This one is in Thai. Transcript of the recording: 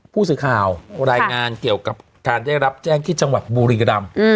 ผู้สื่อข่าวรายงานเกี่ยวกับการได้รับแจ้งที่จังหวัดบุรีรำ